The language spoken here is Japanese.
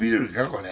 これ。